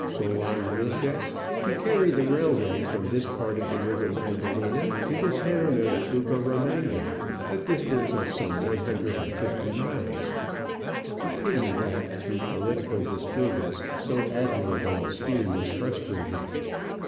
Solan Wilches, to carry the Digitized by VjOOQIC OF AN Orchid Hunter, 63 railway from this part of the river Magdalena to the town of Bucaramanga, a distance of some one hundred and fifty miles. A pity that through political dis turbance so admirable a scheme was frustrated.